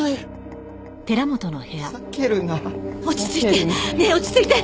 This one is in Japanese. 落ち着いて。